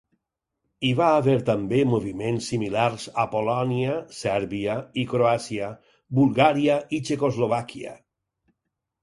Hi va haver també moviments similars a Polònia, Sèrbia i Croàcia, Bulgària i Txecoslovàquia.